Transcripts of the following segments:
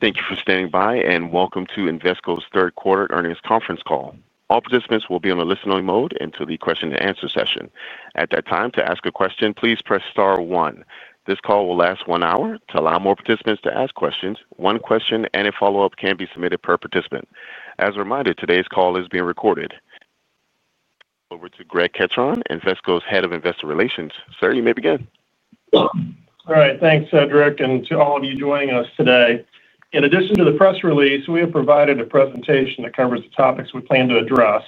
Thank you for standing by and welcome to Invesco's third quarter earnings conference call. All participants will be in a listening mode until the question and answer session. At that time, to ask a question, please press star one. This call will last one hour. To allow more participants to ask questions, one question and a follow-up can be submitted per participant. As a reminder, today's call is being recorded. Over to Greg Ketron, Invesco's Head of Investor Relations. Sir, you may begin. All right. Thanks, Cedric, and to all of you joining us today. In addition to the press release, we have provided a presentation that covers the topics we plan to address.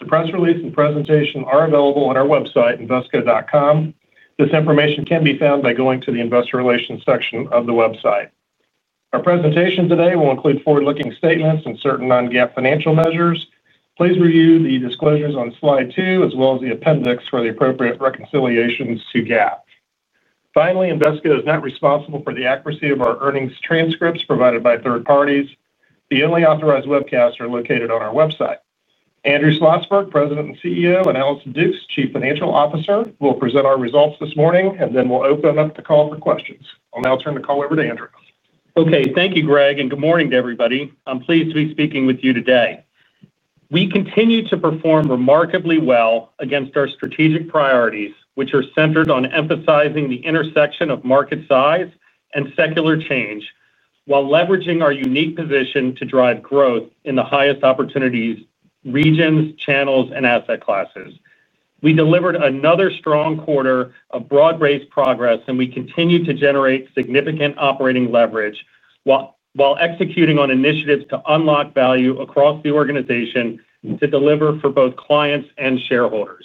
The press release and presentation are available at our website, invesco.com. This information can be found by going to the investor relations section of the website. Our presentation today will include forward-looking statements and certain non-GAAP financial measures. Please review the disclosures on slide two, as well as the appendix for the appropriate reconciliations to GAAP. Finally, Invesco is not responsible for the accuracy of our earnings transcripts provided by third parties. The only authorized webcasts are located on our website. Andrew Schlossberg, President and CEO, and Allison Dukes, Chief Financial Officer, will present our results this morning and then we'll open up the call for questions. I'll now turn the call over to Andrew. Thank you, Greg, and good morning to everybody. I'm pleased to be speaking with you today. We continue to perform remarkably well against our strategic priorities, which are centered on emphasizing the intersection of market size and secular change while leveraging our unique position to drive growth in the highest opportunities regions, channels, and asset classes. We delivered another strong quarter of broad-based progress, and we continue to generate significant operating leverage while executing on initiatives to unlock value across the organization to deliver for both clients and shareholders.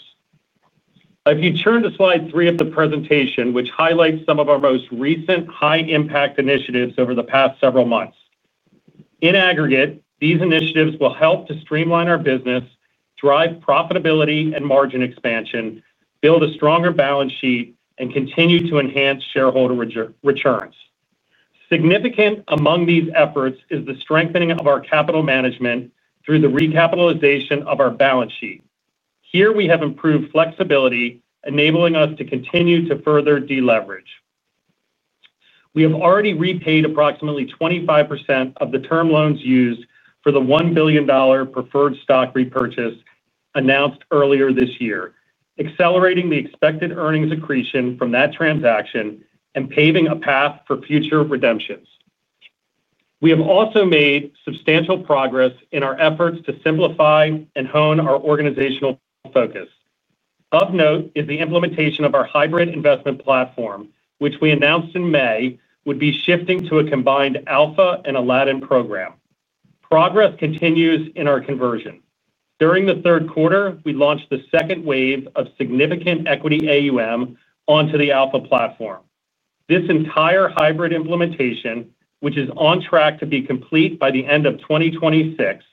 If you turn to slide three of the presentation, which highlights some of our most recent high-impact initiatives over the past several months, in aggregate, these initiatives will help to streamline our business, drive profitability and margin expansion, build a stronger balance sheet, and continue to enhance shareholder returns. Significant among these efforts is the strengthening of our capital management through the recapitalization of our balance sheet. Here, we have improved flexibility, enabling us to continue to further deleverage. We have already repaid approximately 25% of the term loans used for the $1 billion preferred stock repurchase announced earlier this year, accelerating the expected earnings accretion from that transaction and paving a path for future redemptions. We have also made substantial progress in our efforts to simplify and hone our organizational focus. Of note is the implementation of our hybrid investment platform, which we announced in May would be shifting to a combined Alpha and Aladdin program. Progress continues in our conversion. During the third quarter, we launched the second wave of significant equity AUM onto the Alpha platform. This entire hybrid implementation, which is on track to be complete by the end of 2026,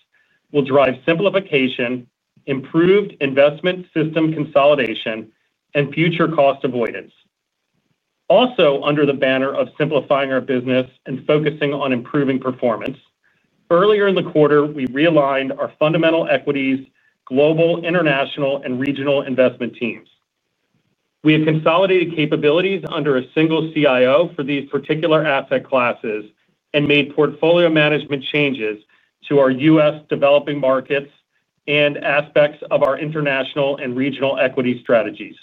will drive simplification, improved investment system consolidation, and future cost avoidance. Also, under the banner of simplifying our business and focusing on improving performance, earlier in the quarter, we realigned our fundamental equities, global, international, and regional investment teams. We have consolidated capabilities under a single CIO for these particular asset classes and made portfolio management changes to our U.S. developing markets and aspects of our international and regional equity strategies.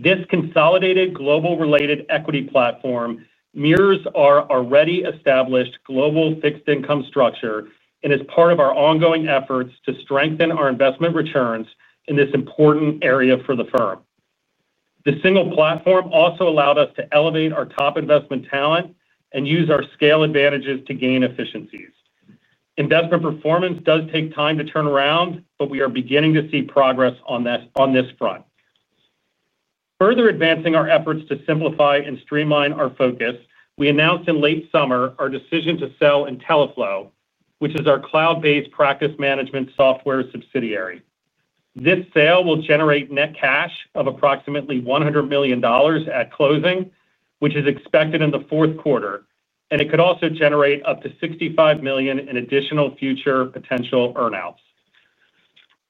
This consolidated global-related equity platform mirrors our already established global fixed income structure and is part of our ongoing efforts to strengthen our investment returns in this important area for the firm. The single platform also allowed us to elevate our top investment talent and use our scale advantages to gain efficiencies. Investment performance does take time to turn around, but we are beginning to see progress on this front. Further advancing our efforts to simplify and streamline our focus, we announced in late summer our decision to sell intelliflo, which is our cloud-based practice management software subsidiary. This sale will generate net cash of approximately $100 million at closing, which is expected in the fourth quarter, and it could also generate up to $65 million in additional future potential earnouts.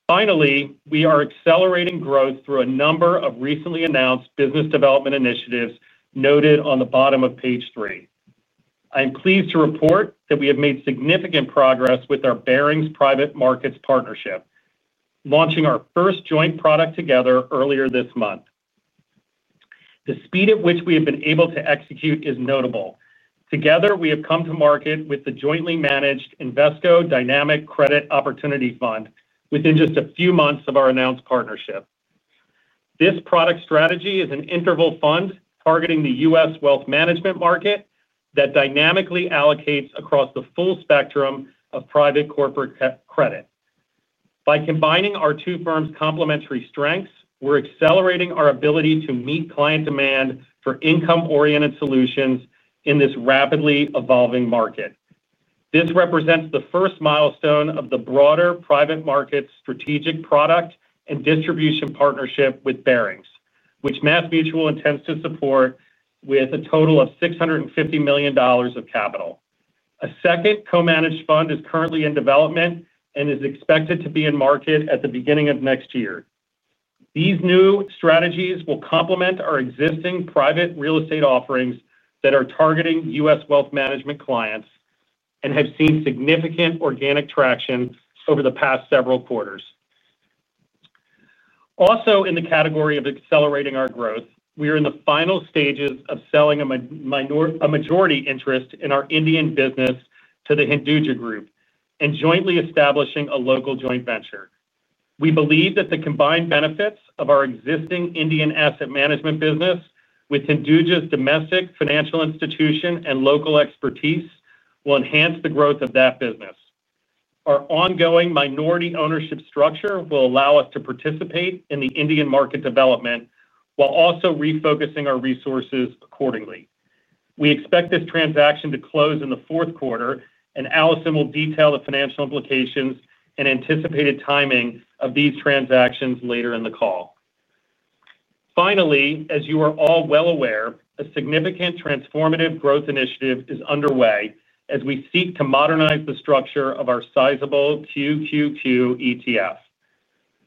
Finally, we are accelerating growth through a number of recently announced business development initiatives noted on the bottom of page three. I am pleased to report that we have made significant progress with our Barings private markets partnership, launching our first joint product together earlier this month. The speed at which we have been able to execute is notable. Together, we have come to market with the jointly managed Invesco Dynamic Credit Opportunity Fund within just a few months of our announced partnership. This product strategy is an interval fund targeting the U.S. wealth management market that dynamically allocates across the full spectrum of private corporate credit. By combining our two firms' complementary strengths, we're accelerating our ability to meet client demand for income-oriented solutions in this rapidly evolving market. This represents the first milestone of the broader private market strategic product and distribution partnership with Barings, which MassMutual intends to support with a total of $650 million of capital. A second co-managed fund is currently in development and is expected to be in market at the beginning of next year. These new strategies will complement our existing private real estate offerings that are targeting U.S. wealth management clients and have seen significant organic traction over the past several quarters. Also, in the category of accelerating our growth, we are in the final stages of selling a majority interest in our Indian business to the Hinduja Group and jointly establishing a local joint venture. We believe that the combined benefits of our existing Indian asset management business with Hinduja Group's domestic financial institution and local expertise will enhance the growth of that business. Our ongoing minority ownership structure will allow us to participate in the Indian market development while also refocusing our resources accordingly. We expect this transaction to close in the fourth quarter, and Allison will detail the financial implications and anticipated timing of these transactions later in the call. Finally, as you are all well aware, a significant transformative growth initiative is underway as we seek to modernize the structure of our sizable QQQ ETF.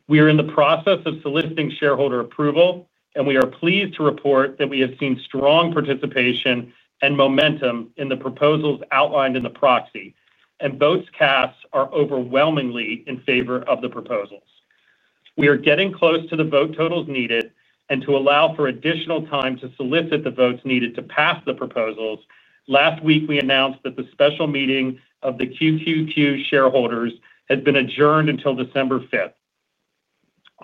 We are in the process of soliciting shareholder approval, and we are pleased to report that we have seen strong participation and momentum in the proposals outlined in the proxy, and votes cast are overwhelmingly in favor of the proposals. We are getting close to the vote totals needed to allow for additional time to solicit the votes needed to pass the proposals. Last week, we announced that the special meeting of the QQQ shareholders has been adjourned until December 5th.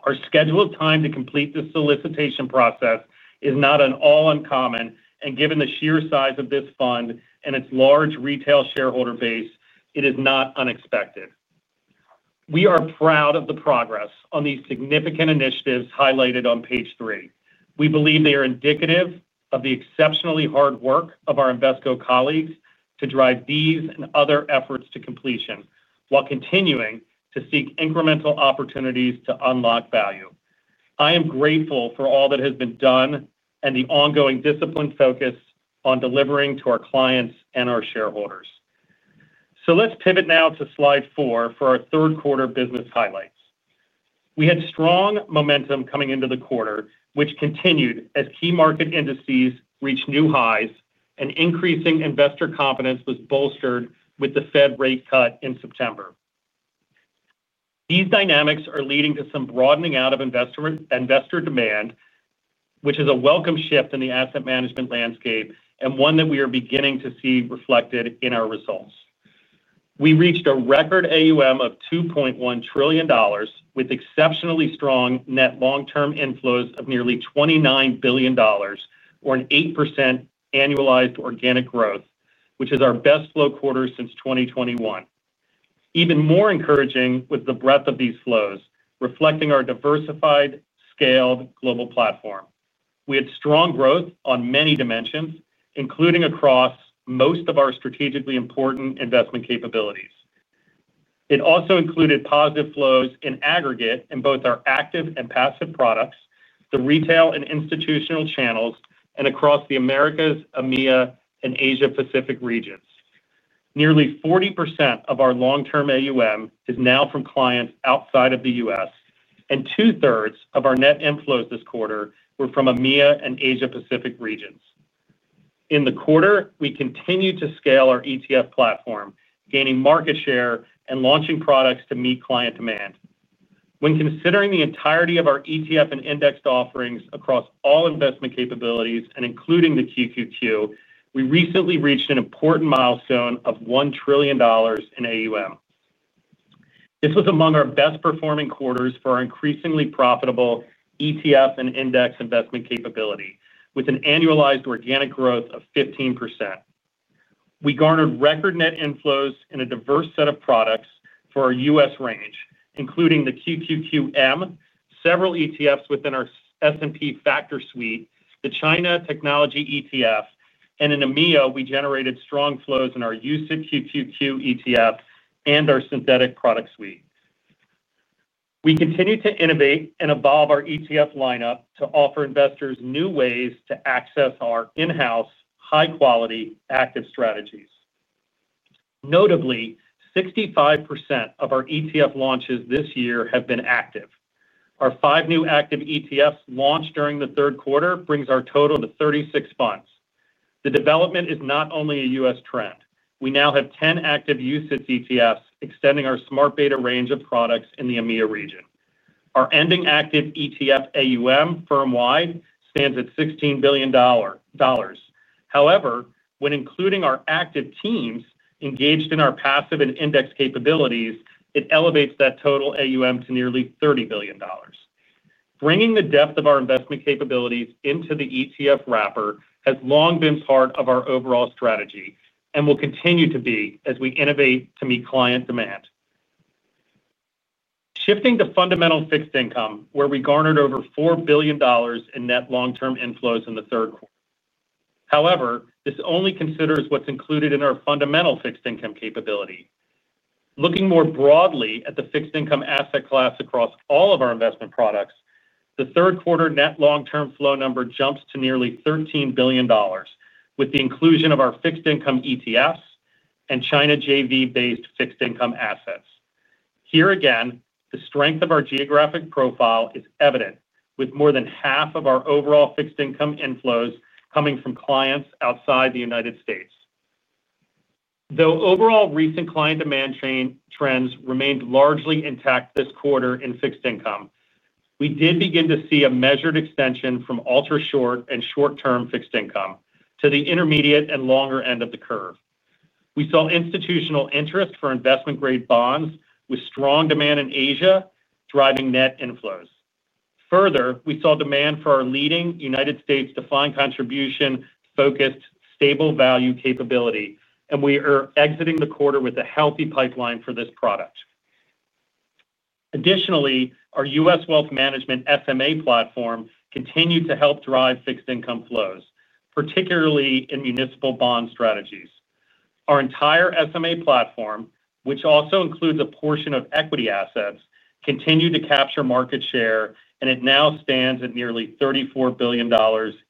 Our scheduled time to complete the solicitation process is not at all uncommon, and given the sheer size of this fund and its large retail shareholder base, it is not unexpected. We are proud of the progress on these significant initiatives highlighted on page three. We believe they are indicative of the exceptionally hard work of our Invesco colleagues to drive these and other efforts to completion while continuing to seek incremental opportunities to unlock value. I am grateful for all that has been done and the ongoing disciplined focus on delivering to our clients and our shareholders. Let's pivot now to slide four for our third quarter business highlights. We had strong momentum coming into the quarter, which continued as key market indices reached new highs and increasing investor confidence was bolstered with the Fed rate cut in September. These dynamics are leading to some broadening out of investor demand, which is a welcome shift in the asset management landscape and one that we are beginning to see reflected in our results. We reached a record AUM of $2.1 trillion with exceptionally strong net long-term inflows of nearly $29 billion, or an 8% annualized organic growth, which is our best flow quarter since 2021. Even more encouraging was the breadth of these flows, reflecting our diversified, scaled global platform. We had strong growth on many dimensions, including across most of our strategically important investment capabilities. It also included positive flows in aggregate in both our active and passive products, the retail and institutional channels, and across the Americas, EMEA, and Asia-Pacific regions. Nearly 40% of our long-term AUM is now from clients outside of the U.S., and 2/3 of our net inflows this quarter were from EMEA and Asia-Pacific regions. In the quarter, we continued to scale our ETF platform, gaining market share and launching products to meet client demand. When considering the entirety of our ETF and indexed offerings across all investment capabilities and including the QQQ, we recently reached an important milestone of $1 trillion in AUM. This was among our best-performing quarters for our increasingly profitable ETF and index investment capability, with an annualized organic growth of 15%. We garnered record net inflows in a diverse set of products for our U.S. range, including the QQQM, several ETFs within our S&P factor suite, the China technology ETF, and in EMEA, we generated strong flows in our UCITS QQQ ETF and our synthetic product suite. We continue to innovate and evolve our ETF lineup to offer investors new ways to access our in-house, high-quality active strategies. Notably, 65% of our ETF launches this year have been active. Our five new active ETFs launched during the third quarter bring our total to 36 funds. The development is not only a U.S. trend. We now have 10 active UCITS ETFs extending our smart beta range of products in the EMEA region. Our ending active ETF AUM firm-wide stands at $15 billion. However, when including our active teams engaged in our passive and index capabilities, it elevates that total AUM to nearly $30 billion. Bringing the depth of our investment capabilities into the ETF wrapper has long been part of our overall strategy and will continue to be as we innovate to meet client demand. Shifting to fundamental fixed income, where we garnered over $4 billion in net long-term inflows in the third quarter. However, this only considers what's included in our fundamental fixed income capability. Looking more broadly at the fixed income asset class across all of our investment products, the third quarter net long-term flow number jumps to nearly $13 billion with the inclusion of our fixed income ETFs and China JV-based fixed income assets. Here again, the strength of our geographic profile is evident, with more than half of our overall fixed income inflows coming from clients outside the United States Though overall recent client demand chain trends remained largely intact this quarter in fixed income, we did begin to see a measured extension from ultra-short and short-term fixed income to the intermediate and longer end of the curve. We saw institutional interest for investment-grade bonds with strong demand in Asia, driving net inflows. Further, we saw demand for our leading United States-defined contribution-focused stable value capability, and we are exiting the quarter with a healthy pipeline for this product. Additionally, our U.S. wealth management SMA platform continued to help drive fixed income flows, particularly in municipal bond strategies. Our entire SMA platform, which also includes a portion of equity assets, continued to capture market share, and it now stands at nearly $34 billion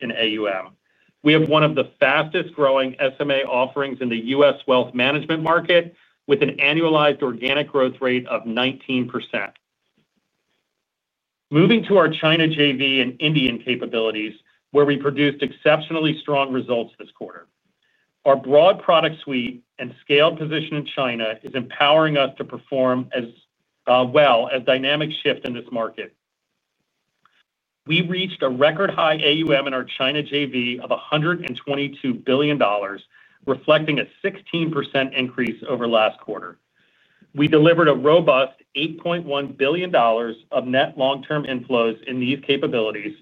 in AUM. We have one of the fastest growing SMA offerings in the U.S. wealth management market, with an annualized organic growth rate of 19%. Moving to our China JV and Indian capabilities, where we produced exceptionally strong results this quarter, our broad product suite and scaled position in China are empowering us to perform as well as a dynamic shift in this market. We reached a record high AUM in our China JV of $122 billion, reflecting a 16% increase over last quarter. We delivered a robust $8.1 billion of net long-term inflows in these capabilities,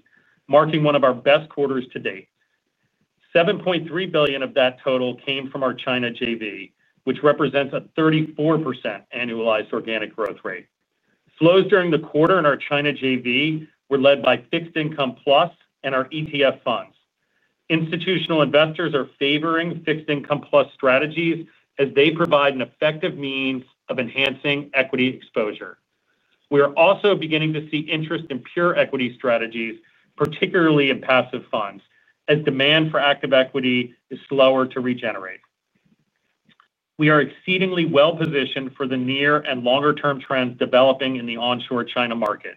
marking one of our best quarters to date. $7.3 billion of that total came from our China JV, which represents a 34% annualized organic growth rate. Flows during the quarter in our China JV were led by fixed income plus and our ETF funds. Institutional investors are favoring fixed income plus strategies as they provide an effective means of enhancing equity exposure. We are also beginning to see interest in pure equity strategies, particularly in passive funds, as demand for active equity is slower to regenerate. We are exceedingly well-positioned for the near and longer-term trends developing in the onshore China market.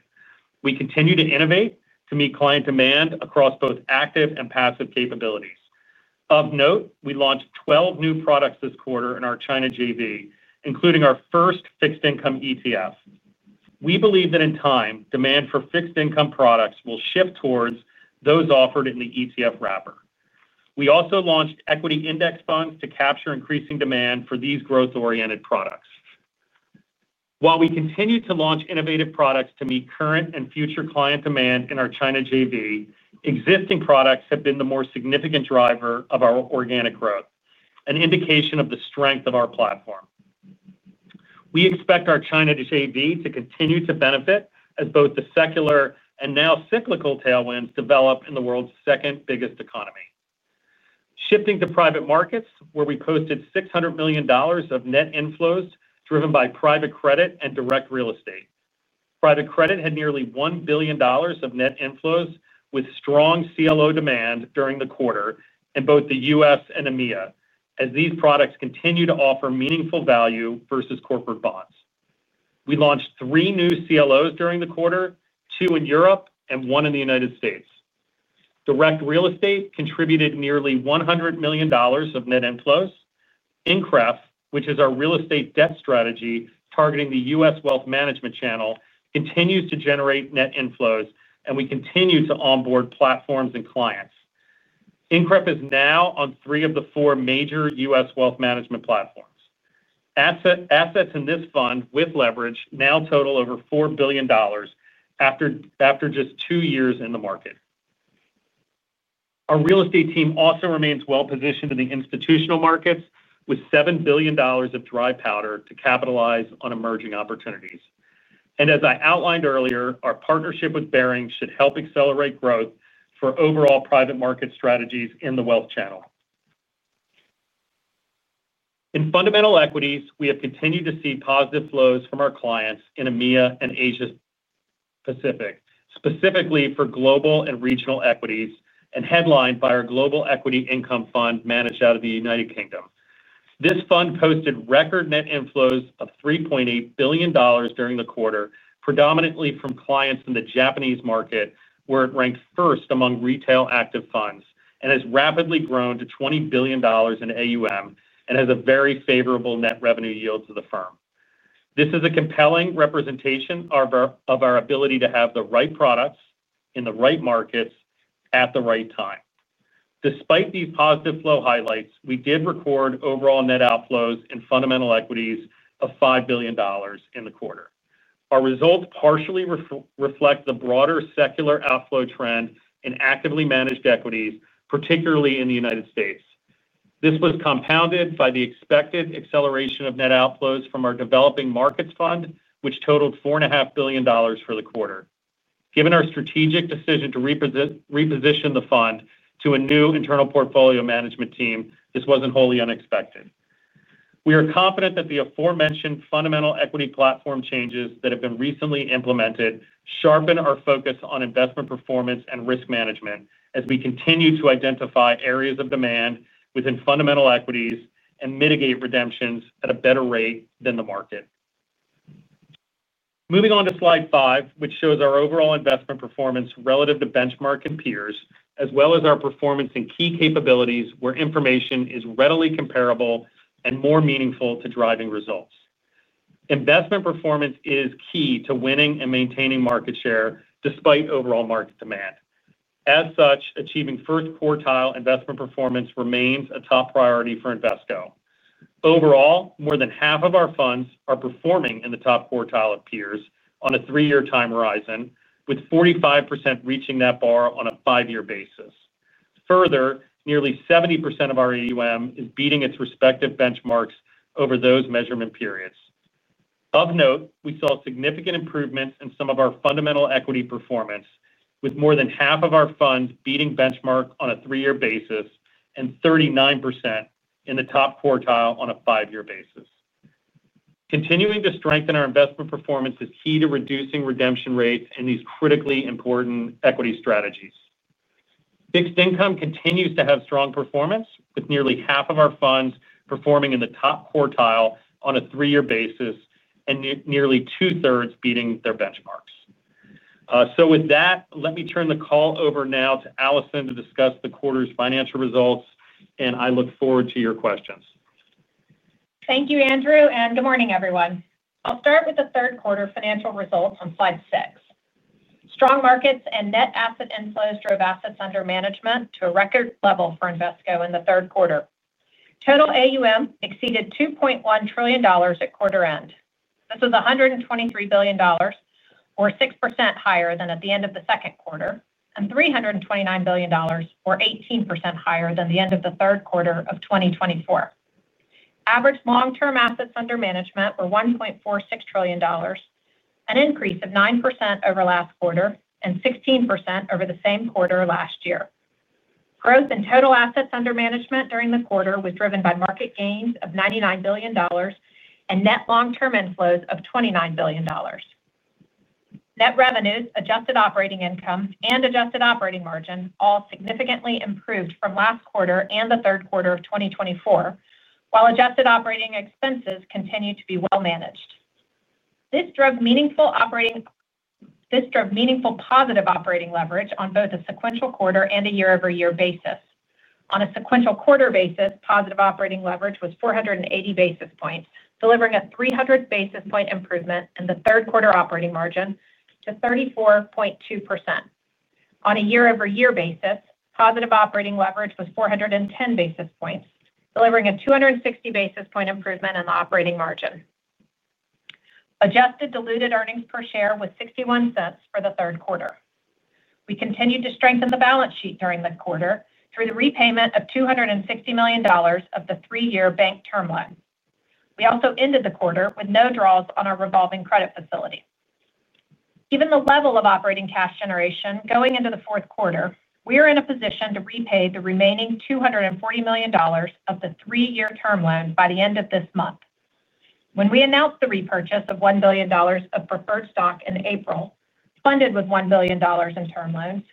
We continue to innovate to meet client demand across both active and passive capabilities. Of note, we launched 12 new products this quarter in our China JV, including our first fixed income ETF. We believe that in time, demand for fixed income products will shift towards those offered in the ETF wrapper. We also launched equity index funds to capture increasing demand for these growth-oriented products. While we continue to launch innovative products to meet current and future client demand in our China JV, existing products have been the more significant driver of our organic growth, an indication of the strength of our platform. We expect our China JV to continue to benefit as both the secular and now cyclical tailwinds develop in the world's second biggest economy. Shifting to private markets, where we posted $600 million of net inflows driven by private credit and direct real estate. Private credit had nearly $1 billion of net inflows with strong CLO demand during the quarter in both the U.S. and EMEA, as these products continue to offer meaningful value versus corporate bonds. We launched three new CLOs during the quarter, two in Europe and one in the United States. Direct real estate contributed nearly $100 million of net inflows. INCREF, which is our real estate debt strategy targeting the U.S. wealth management channel, continues to generate net inflows, and we continue to onboard platforms and clients. INCREF is now on three of the four major U.S. wealth management platforms. Assets in this fund with leverage now total over $4 billion after just two years in the market. Our real estate team also remains well-positioned in the institutional markets with $7 billion of dry powder to capitalize on emerging opportunities. As I outlined earlier, our partnership with Barings should help accelerate growth for overall private market strategies in the wealth channel. In fundamental equities, we have continued to see positive flows from our clients in EMEA and Asia-Pacific, specifically for global and regional equities and headlined by our global equity income fund managed out of the United Kingdom. This fund posted record net inflows of $3.8 billion during the quarter, predominantly from clients in the Japanese market, where it ranked first among retail active funds and has rapidly grown to $20 billion in AUM and has a very favorable net revenue yield to the firm. This is a compelling representation of our ability to have the right products in the right markets at the right time. Despite these positive flow highlights, we did record overall net outflows in fundamental equities of $5 billion in the quarter. Our results partially reflect the broader secular outflow trend in actively managed equities, particularly in the United States. This was compounded by the expected acceleration of net outflows from our developing markets fund, which totaled $4.5 billion for the quarter. Given our strategic decision to reposition the fund to a new internal portfolio management team, this wasn't wholly unexpected. We are confident that the aforementioned fundamental equity platform changes that have been recently implemented sharpen our focus on investment performance and risk management as we continue to identify areas of demand within fundamental equities and mitigate redemptions at a better rate than the market. Moving on to slide five, which shows our overall investment performance relative to benchmark and peers, as well as our performance in key capabilities where information is readily comparable and more meaningful to driving results. Investment performance is key to winning and maintaining market share despite overall market demand. As such, achieving first quartile investment performance remains a top priority for Invesco. Overall, more than half of our funds are performing in the top quartile of peers on a three-year time horizon, with 45% reaching that bar on a five-year basis. Further, nearly 70% of our AUM is beating its respective benchmarks over those measurement periods. Of note, we saw significant improvements in some of our fundamental equity performance, with more than half of our funds beating benchmark on a three-year basis and 39% in the top quartile on a five-year basis. Continuing to strengthen our investment performance is key to reducing redemption rates in these critically important equity strategies. Fixed income continues to have strong performance, with nearly half of our funds performing in the top quartile on a three-year basis and nearly 2/3 beating their benchmarks. Let me turn the call over now to Allison to discuss the quarter's financial results, and I look forward to your questions. Thank you, Andrew, and good morning, everyone. I'll start with the third quarter financial results on slide six. Strong markets and net asset inflows drove assets under management to a record level for Invesco in the third quarter. Total AUM exceeded $2.1 trillion at quarter end. This was $123 billion, or 6% higher than at the end of the second quarter, and $329 billion, or 18% higher than the end of the third quarter of 2024. Average long-term assets under management were $1.46 trillion, an increase of 9% over last quarter and 16% over the same quarter last year. Growth in total assets under management during the quarter was driven by market gains of $99 billion and net long-term inflows of $29 billion. Net revenues, adjusted operating income, and adjusted operating margin all significantly improved from last quarter and the third quarter of 2024, while adjusted operating expenses continued to be well managed. This drove meaningful positive operating leverage on both a sequential quarter and a year-over-year basis. On a sequential quarter basis, positive operating leverage was 480 basis points, delivering a 300 basis point improvement in the third quarter operating margin to 34.2%. On a year-over-year basis, positive operating leverage was 410 basis points, delivering a 260 basis point improvement in the operating margin. Adjusted diluted earnings per share was $0.61 for the third quarter. We continued to strengthen the balance sheet during the quarter through the repayment of $260 million of the three-year bank term loan. We also ended the quarter with no draws on our revolving credit facility. Given the level of operating cash generation going into the fourth quarter, we are in a position to repay the remaining $240 million of the three-year term loans by the end of this month. When we announced the repurchase of $1 billion of preferred stock in April, funded with $1 billion in term loans,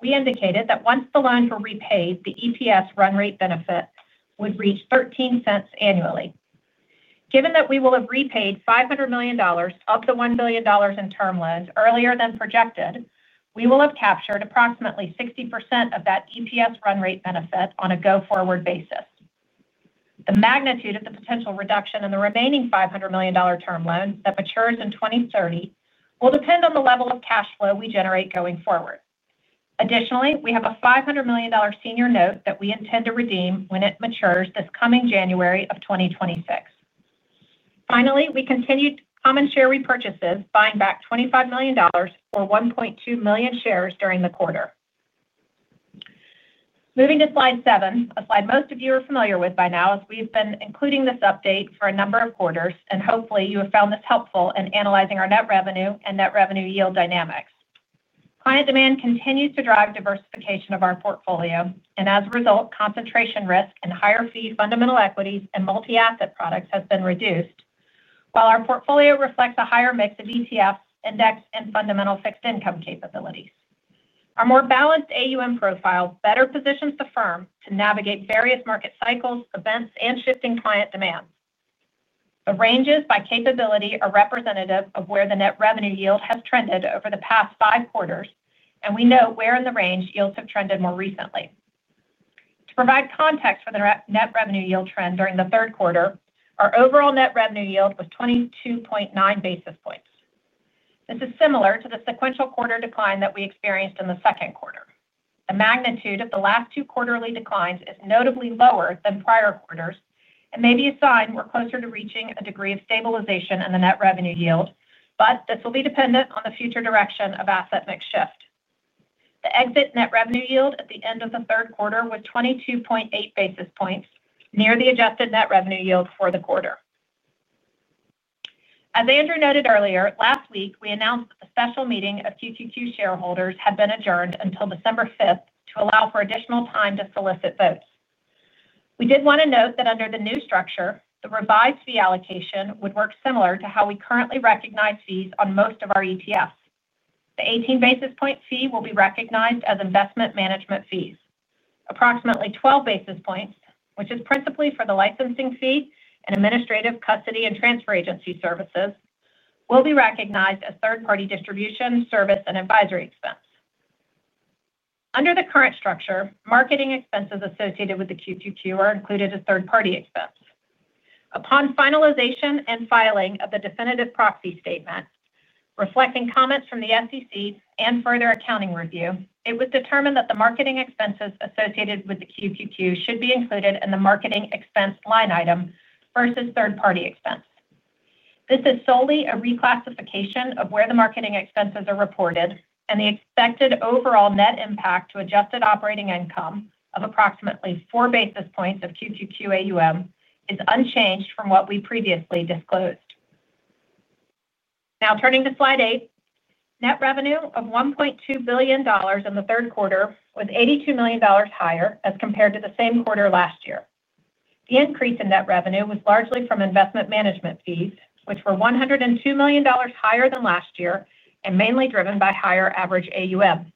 we indicated that once the loans were repaid, the EPS run rate benefit would reach $0.13 annually. Given that we will have repaid $500 million of the $1 billion in term loans earlier than projected, we will have captured approximately 60% of that EPS run rate benefit on a go-forward basis. The magnitude of the potential reduction in the remaining $500 million term loan that matures in 2030 will depend on the level of cash flow we generate going forward. Additionally, we have a $500 million senior note that we intend to redeem when it matures this coming January of 2026. Finally, we continued common share repurchases, buying back $25 million or 1.2 million shares during the quarter. Moving to slide seven, a slide most of you are familiar with by now, as we've been including this update for a number of quarters, and hopefully you have found this helpful in analyzing our net revenue and net revenue yield dynamics. Client demand continues to drive diversification of our portfolio, and as a result, concentration risk and higher fee fundamental equities and multi-asset products have been reduced, while our portfolio reflects a higher mix of ETFs, index, and fundamental fixed income capabilities. Our more balanced AUM profile better positions the firm to navigate various market cycles, events, and shifting client demands. The ranges by capability are representative of where the net revenue yield has trended over the past five quarters, and we know where in the range yields have trended more recently. To provide context for the net revenue yield trend during the third quarter, our overall net revenue yield was 22.9 basis points. This is similar to the sequential quarter decline that we experienced in the second quarter. The magnitude of the last two quarterly declines is notably lower than prior quarters and may be a sign we're closer to reaching a degree of stabilization in the net revenue yield, but this will be dependent on the future direction of asset mix shift. The exit net revenue yield at the end of the third quarter was 22.8 basis points, near the adjusted net revenue yield for the quarter. As Andrew noted earlier, last week we announced that the special meeting of QQQ shareholders had been adjourned until December 5th to allow for additional time to solicit votes. We did want to note that under the new structure, the revised fee allocation would work similar to how we currently recognize fees on most of our ETFs. The 18 basis point fee will be recognized as investment management fees. Approximately 12 basis points, which is principally for the licensing fee and administrative custody and transfer agency services, will be recognized as third-party distribution, service, and advisory expense. Under the current structure, marketing expenses associated with the QQQ are included as third-party expense. Upon finalization and filing of the definitive proxy statement, reflecting comments from the SEC and further accounting review, it was determined that the marketing expenses associated with the QQQ should be included in the marketing expense line item versus third-party expense. This is solely a reclassification of where the marketing expenses are reported, and the expected overall net impact to adjusted operating income of approximately 4 basis points of QQQ AUM is unchanged from what we previously disclosed. Now turning to slide eight, net revenue of $1.2 billion in the third quarter was $82 million higher as compared to the same quarter last year. The increase in net revenue was largely from investment management fees, which were $102 million higher than last year and mainly driven by higher average AUM.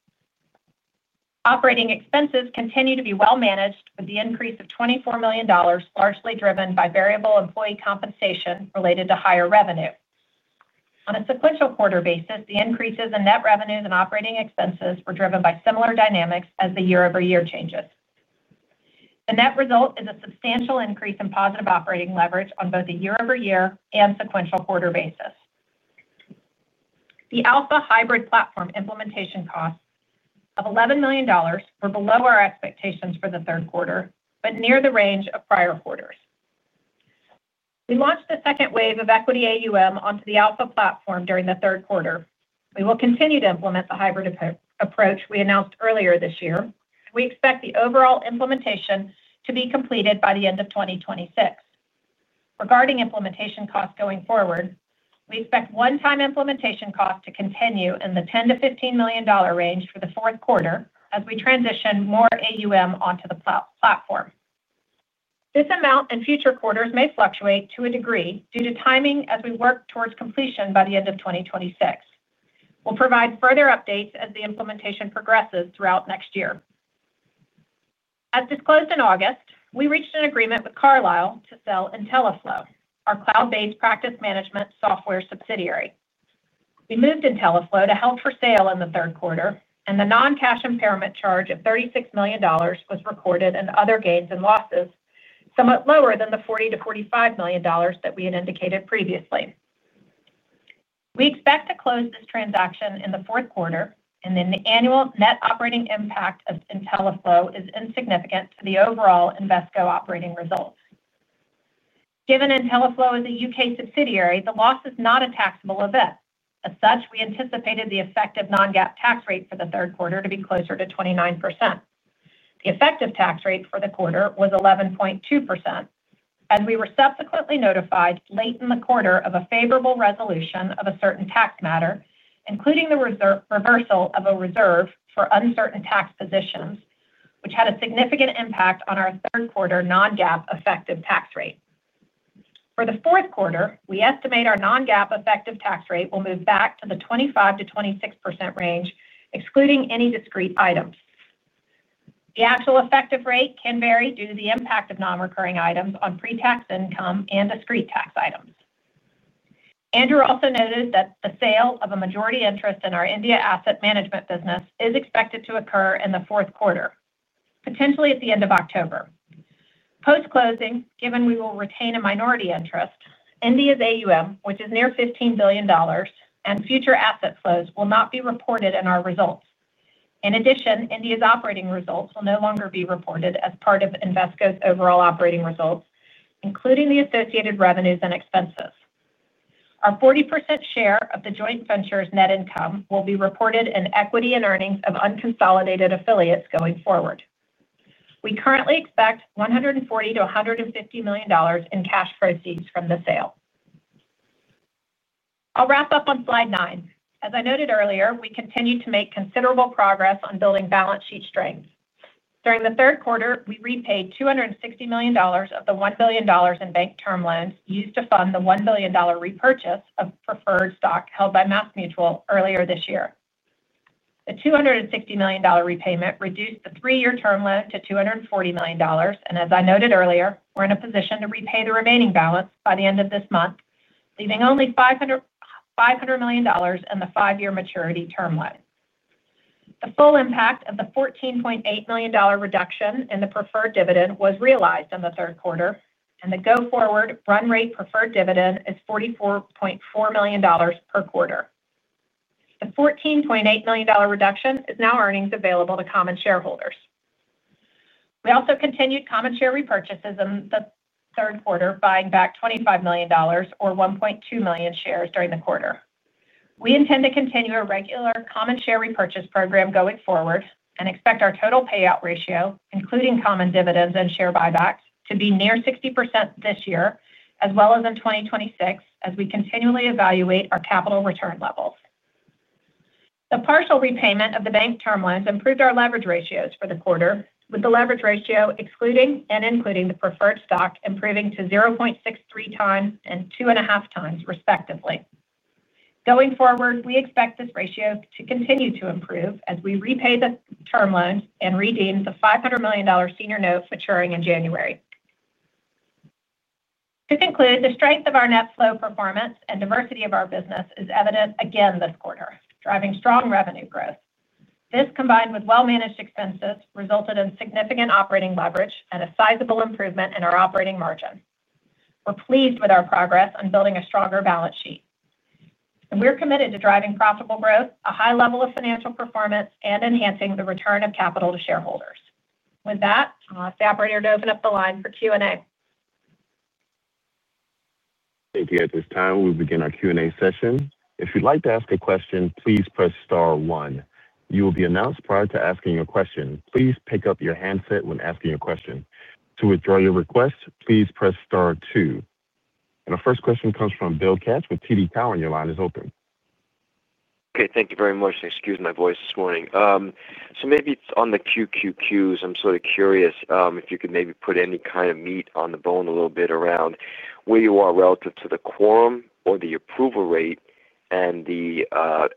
Operating expenses continue to be well managed with the increase of $24 million, largely driven by variable employee compensation related to higher revenue. On a sequential quarter basis, the increases in net revenues and operating expenses were driven by similar dynamics as the year-over-year changes. The net result is a substantial increase in positive operating leverage on both a year-over-year and sequential quarter basis. The Alpha hybrid platform implementation costs of $11 million were below our expectations for the third quarter, but near the range of prior quarters. We launched the second wave of equity AUM onto the Alpha platform during the third quarter. We will continue to implement the hybrid approach we announced earlier this year, and we expect the overall implementation to be completed by the end of 2026. Regarding implementation costs going forward, we expect one-time implementation costs to continue in the $10 million-$15 million range for the fourth quarter as we transition more AUM onto the platform. This amount in future quarters may fluctuate to a degree due to timing as we work towards completion by the end of 2026. We'll provide further updates as the implementation progresses throughout next year. As disclosed in August, we reached an agreement with Carlyle to sell intelliflo, our cloud-based practice management software subsidiary. We moved intelliflo to held for sale in the third quarter, and the non-cash impairment charge of $36 million was recorded in other gains and losses, somewhat lower than the $40 million-$45 million that we had indicated previously. We expect to close this transaction in the fourth quarter, and then the annual net operating impact of intelliflo is insignificant to the overall Invesco operating results. Given intelliflo is a U.K. subsidiary, the loss is not a taxable event. As such, we anticipated the effective non-GAAP tax rate for the third quarter to be closer to 29%. The effective tax rate for the quarter was 11.2%, as we were subsequently notified late in the quarter of a favorable resolution of a certain tax matter, including the reversal of a reserve for uncertain tax positions, which had a significant impact on our third quarter non-GAAP effective tax rate. For the fourth quarter, we estimate our non-GAAP effective tax rate will move back to the 25%-26% range, excluding any discrete items. The actual effective rate can vary due to the impact of non-recurring items on pre-tax income and discrete tax items. Andrew also noted that the sale of a majority interest in our India asset management business is expected to occur in the fourth quarter, potentially at the end of October. Post-closing, given we will retain a minority interest, India's AUM, which is near $15 billion, and future asset flows will not be reported in our results. In addition, India's operating results will no longer be reported as part of Invesco's overall operating results, including the associated revenues and expenses. Our 40% share of the joint venture's net income will be reported in equity and earnings of unconsolidated affiliates going forward. We currently expect $140 million-$150 million in cash proceeds from the sale. I'll wrap up on slide nine. As I noted earlier, we continue to make considerable progress on building balance sheet strength. During the third quarter, we repaid $260 million of the $1 billion in bank term loans used to fund the $1 billion repurchase of preferred stock held by MassMutual earlier this year. The $260 million repayment reduced the three-year term loan to $240 million, and as I noted earlier, we're in a position to repay the remaining balance by the end of this month, leaving only $500 million in the five-year maturity term loan. The full impact of the $14.8 million reduction in the preferred dividend was realized in the third quarter, and the go-forward run rate preferred dividend is $44.4 million per quarter. The $14.8 million reduction is now earnings available to common shareholders. We also continued common share repurchases in the third quarter, buying back $25 million or 1.2 million shares during the quarter. We intend to continue a regular common share repurchase program going forward and expect our total payout ratio, including common dividends and share buybacks, to be near 60% this year, as well as in 2026, as we continually evaluate our capital return levels. The partial repayment of the bank term loans improved our leverage ratios for the quarter, with the leverage ratio excluding and including the preferred stock improving to 0.63x and 2.5x, respectively. Going forward, we expect this ratio to continue to improve as we repay the term loans and redeem the $500 million senior note maturing in January. To conclude, the strength of our net flow performance and diversity of our business is evident again this quarter, driving strong revenue growth. This, combined with well-managed expenses, resulted in significant operating leverage and a sizable improvement in our operating margin. We're pleased with our progress on building a stronger balance sheet. We're committed to driving profitable growth, a high level of financial performance, and enhancing the return of capital to shareholders. With that, I'll ask the operator to open up the line for Q&A. Thank you. At this time, we will begin our Q&A session. If you'd like to ask a question, please press star one. You will be announced prior to asking your question. Please pick up your handset when asking your question. To withdraw your request, please press star two. Our first question comes from Bill Katz with TD Cowen, and your line is open. Okay. Thank you very much. I excuse my voice this morning. Maybe it's on the QQQs. I'm sort of curious if you could maybe put any kind of meat on the bone a little bit around where you are relative to the quorum or the approval rate and the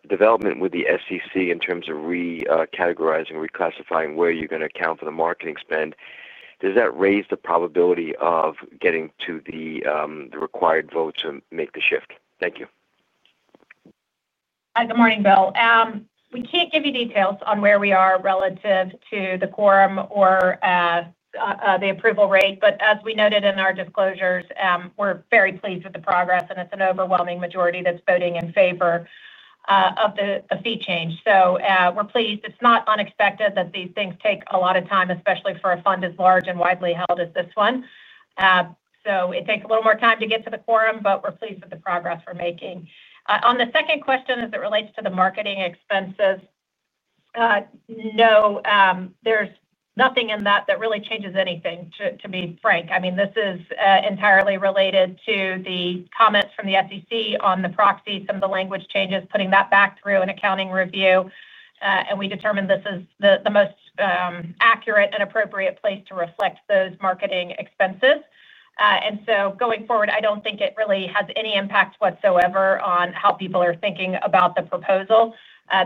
development with the SEC in terms of re-categorizing and reclassifying where you're going to account for the marketing spend. Does that raise the probability of getting to the required vote to make the shift? Thank you. Hi. Good morning, Bill. We can't give you details on where we are relative to the quorum or the approval rate, but as we noted in our disclosures, we're very pleased with the progress, and it's an overwhelming majority that's voting in favor of the fee change. We're pleased. It's not unexpected that these things take a lot of time, especially for a fund as large and widely held as this one. It takes a little more time to get to the quorum, but we're pleased with the progress we're making. On the second question, as it relates to the marketing expenses, no, there's nothing in that that really changes anything, to be frank. This is entirely related to the comments from the SEC on the proxy, some of the language changes, putting that back through an accounting review, and we determined this is the most accurate and appropriate place to reflect those marketing expenses. Going forward, I don't think it really has any impact whatsoever on how people are thinking about the proposal.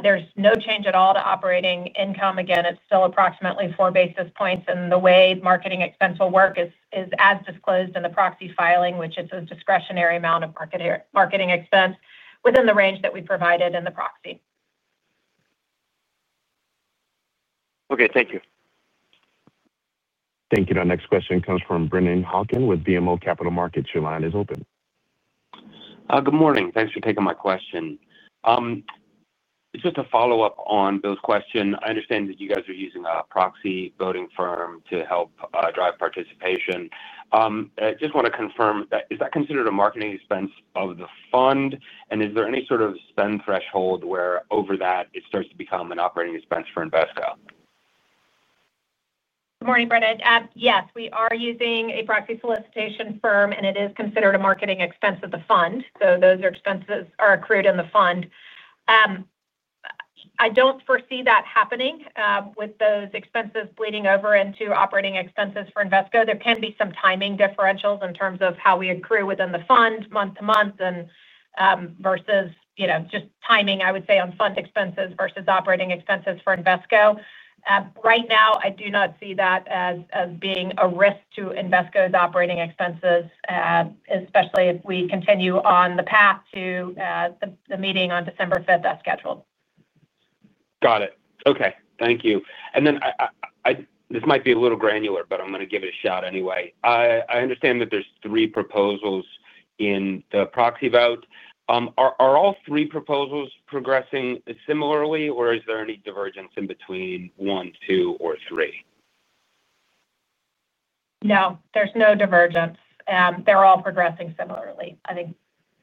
There's no change at all to operating income. Again, it's still approximately four basis points, and the way the marketing expense will work is as disclosed in the proxy filing, which is a discretionary amount of marketing expense within the range that we provided in the proxy. Okay, thank you. Thank you. Our next question comes from Brennan Hawken with BMO Capital Markets. Your line is open. Good morning. Thanks for taking my question. It's just a follow-up on Bill's question. I understand that you guys are using a proxy voting firm to help drive participation. I just want to confirm, is that considered a marketing expense of the fund, and is there any sort of spend threshold where over that it starts to become an operating expense for Invesco? Good morning, Brennan. Yes, we are using a proxy solicitation firm, and it is considered a marketing expense of the fund. Those expenses are accrued in the fund. I don't foresee that happening with those expenses bleeding over into operating expenses for Invesco. There can be some timing differentials in terms of how we accrue within the fund, month to month, versus just timing, I would say, on fund expenses versus operating expenses for Invesco. Right now, I do not see that as being a risk to Invesco's operating expenses, especially if we continue on the path to the meeting on December 5th as scheduled. Got it. Okay. Thank you. This might be a little granular, but I'm going to give it a shot anyway. I understand that there's three proposals in the proxy vote. Are all three proposals progressing similarly, or is there any divergence in between one, two, or three? No, there's no divergence. They're all progressing similarly. I think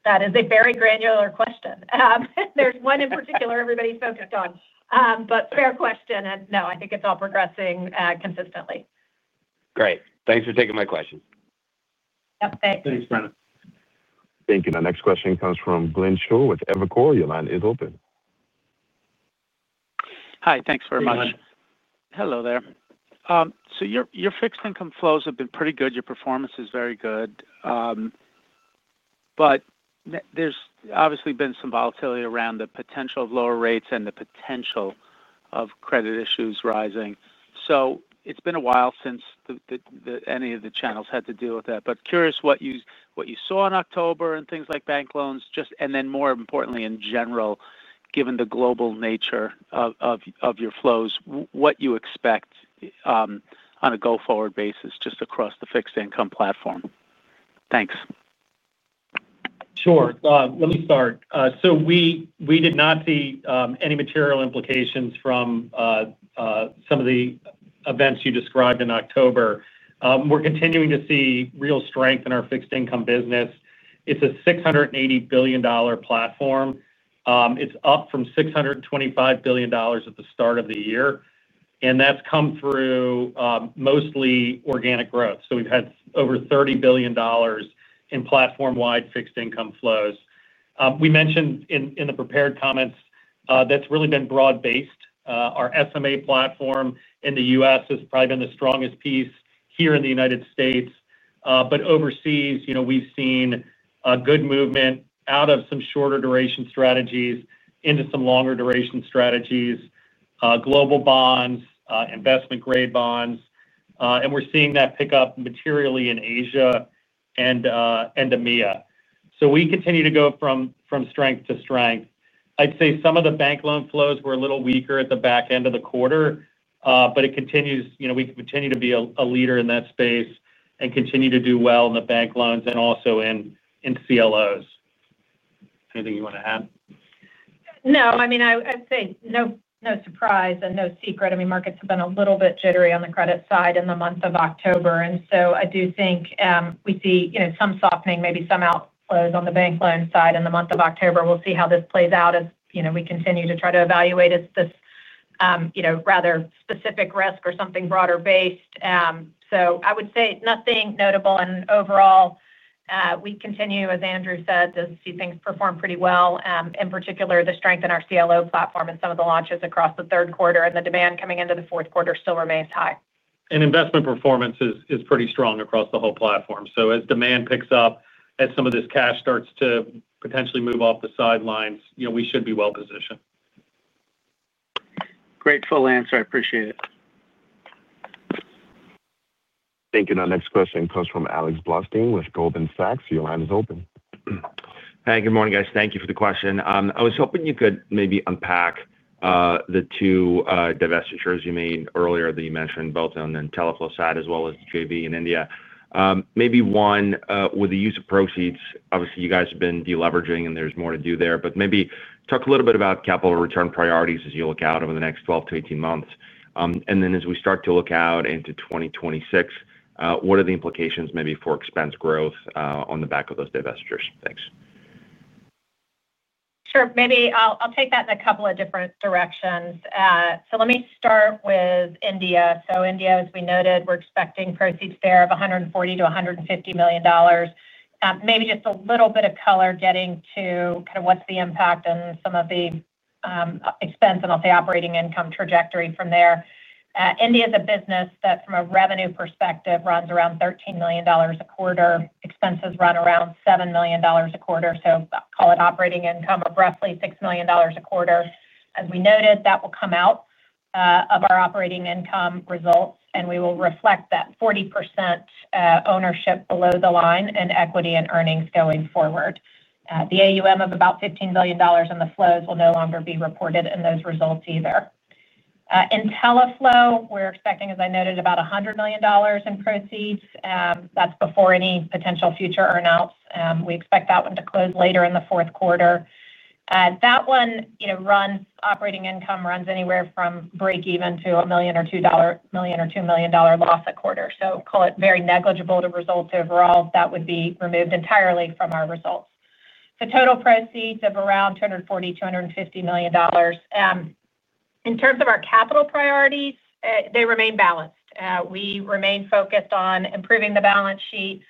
that is a very granular question. There's one in particular everybody's focused on, but fair question. No, I think it's all progressing consistently. Great, thanks for taking my question. Yep. Thanks. Thanks, Brennan. Thank you. Our next question comes from Glenn Schorr with Evercore. Your line is open. Hi, thanks very much. Hello, gentlemen. Hello there. Your fixed income flows have been pretty good. Your performance is very good. There has obviously been some volatility around the potential of lower rates and the potential of credit issues rising. It has been a while since any of the channels had to deal with that. I am curious what you saw in October and things like bank loans. More importantly, in general, given the global nature of your flows, what you expect on a go-forward basis just across the fixed income platform. Thanks. Sure. Let me start. We did not see any material implications from some of the events you described in October. We're continuing to see real strength in our fixed income business. It's a $680 billion platform, up from $625 billion at the start of the year. That's come through mostly organic growth. We've had over $30 billion in platform-wide fixed income flows. We mentioned in the prepared comments that's really been broad-based. Our SMA platform in the U.S. has probably been the strongest piece here in the United States. Overseas, we've seen a good movement out of some shorter duration strategies into some longer duration strategies, global bonds, investment-grade bonds. We're seeing that pick up materially in Asia and EMEA. We continue to go from strength to strength. I'd say some of the bank loan flows were a little weaker at the back end of the quarter, but it continues. We continue to be a leader in that space and continue to do well in the bank loans and also in CLOs. Anything you want to add? No surprise and no secret. Markets have been a little bit jittery on the credit side in the month of October. I do think we see some softening, maybe some outflows on the bank loan side in the month of October. We'll see how this plays out as we continue to try to evaluate if this is a rather specific risk or something broader-based. I would say nothing notable. Overall, we continue, as Andrew said, to see things perform pretty well. In particular, the strength in our CLO platform and some of the launches across the third quarter and the demand coming into the fourth quarter still remains high. Investment performance is pretty strong across the whole platform. As demand picks up, as some of this cash starts to potentially move off the sidelines, you know, we should be well-positioned. Great, full answer. I appreciate it. Thank you. Our next question comes from Alex Blostein with Goldman Sachs. Your line is open. Hi. Good morning, guys. Thank you for the question. I was hoping you could maybe unpack the two divestitures you made earlier that you mentioned, both on the intelliflo side as well as the JV in India. Maybe one with the use of proceeds. Obviously, you guys have been deleveraging, and there's more to do there. Maybe talk a little bit about capital return priorities as you look out over the next 12-18 months. As we start to look out into 2026, what are the implications maybe for expense growth on the back of those divestitures? Thanks. Sure. Maybe I'll take that in a couple of different directions. Let me start with India. India, as we noted, we're expecting proceeds there of $140 million-$150 million. Maybe just a little bit of color getting to kind of what's the impact on some of the expense, and I'll say operating income trajectory from there. India is a business that, from a revenue perspective, runs around $13 million a quarter. Expenses run around $7 million a quarter. Call it operating income of roughly $6 million a quarter. As we noted, that will come out of our operating income results, and we will reflect that 40% ownership below the line in equity and earnings going forward. The AUM of about $15 billion in the flows will no longer be reported in those results either. intelliflo, we're expecting, as I noted, about $100 million in proceeds. That's before any potential future earnouts. We expect that one to close later in the fourth quarter. That one, operating income runs anywhere from breakeven to a million or $2 million loss a quarter. Call it very negligible to results overall. That would be removed entirely from our results. Total proceeds of around $240 million-$250 million. In terms of our capital priorities, they remain balanced. We remain focused on improving the balance sheet,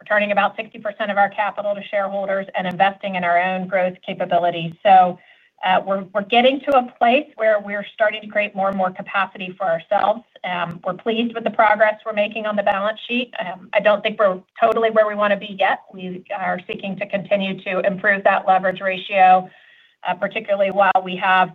returning about 60% of our capital to shareholders, and investing in our own growth capabilities. We're getting to a place where we're starting to create more and more capacity for ourselves. We're pleased with the progress we're making on the balance sheet. I don't think we're totally where we want to be yet. We are seeking to continue to improve that leverage ratio, particularly while we have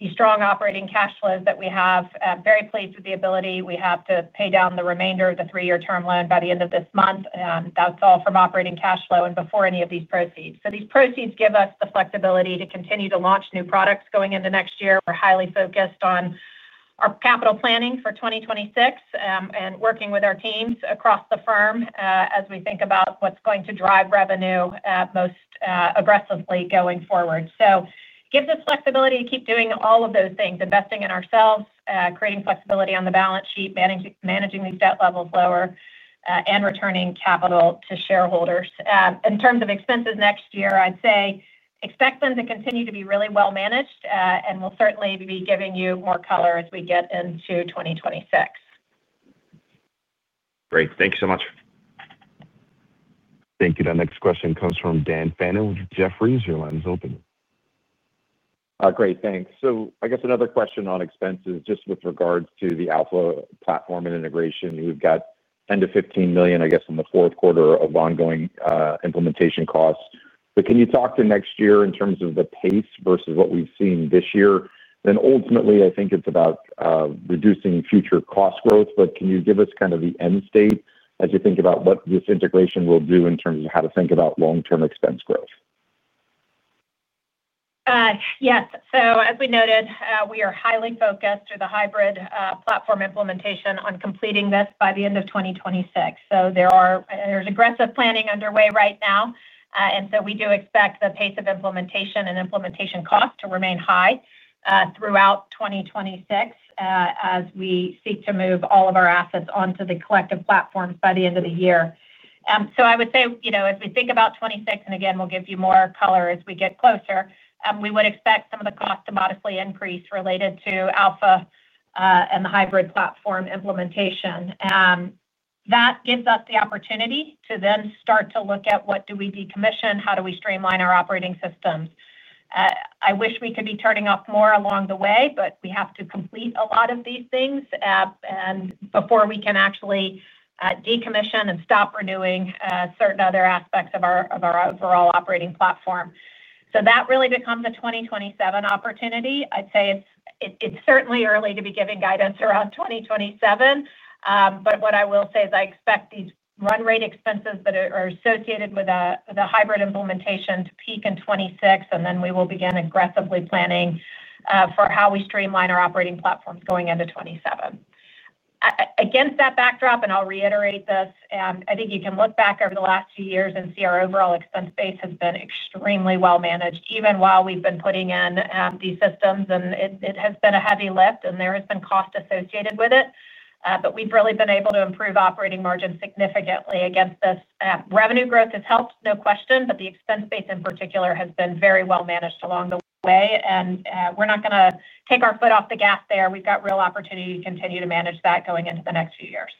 these strong operating cash flows that we have. I'm very pleased with the ability we have to pay down the remainder of the three-year term loan by the end of this month. That's all from operating cash flow and before any of these proceeds. These proceeds give us the flexibility to continue to launch new products going into next year. We're highly focused on our capital planning for 2026 and working with our teams across the firm as we think about what's going to drive revenue most aggressively going forward. It gives us flexibility to keep doing all of those things, investing in ourselves, creating flexibility on the balance sheet, managing these debt levels lower, and returning capital to shareholders. In terms of expenses next year, I'd say expect them to continue to be really well managed, and we'll certainly be giving you more color as we get into 2026. Great. Thank you so much. Thank you. Our next question comes from Dan Fannon with Jefferies. Your line is open. Great. Thanks. I guess another question on expenses just with regards to the Alpha platform and integration. We've got $10 million-$15 million, I guess, in the fourth quarter of ongoing implementation costs. Can you talk to next year in terms of the pace versus what we've seen this year? Ultimately, I think it's about reducing future cost growth. Can you give us kind of the end state as you think about what this integration will do in terms of how to think about long-term expense growth? Yes. As we noted, we are highly focused through the hybrid platform implementation on completing this by the end of 2026. There is aggressive planning underway right now. We do expect the pace of implementation and implementation costs to remain high throughout 2026 as we seek to move all of our assets onto the collective platforms by the end of the year. I would say, as we think about 2026, and again, we'll give you more color as we get closer, we would expect some of the costs to modestly increase related to Alpha and the hybrid platform implementation. That gives us the opportunity to then start to look at what we decommission, how we streamline our operating systems. I wish we could be turning off more along the way, but we have to complete a lot of these things before we can actually decommission and stop renewing certain other aspects of our overall operating platform. That really becomes a 2027 opportunity. I'd say it's certainly early to be giving guidance around 2027. What I will say is I expect these run rate expenses that are associated with the hybrid implementation to peak in 2026, and then we will begin aggressively planning for how we streamline our operating platforms going into 2027. Against that backdrop, and I'll reiterate this, I think you can look back over the last few years and see our overall expense base has been extremely well managed, even while we've been putting in these systems. It has been a heavy lift, and there has been cost associated with it. We've really been able to improve operating margin significantly against this. Revenue growth has helped, no question, but the expense base in particular has been very well managed along the way. We're not going to take our foot off the gas there. We've got real opportunity to continue to manage that going into the next few years.